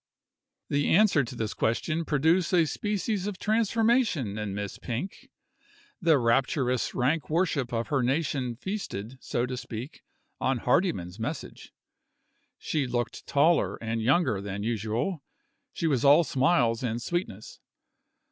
The answer to this question produced a species of transformation in Miss Pink. The rapturous rank worship of her nation feasted, so to speak, on Hardyman's message. She looked taller and younger than usual she was all smiles and sweetness.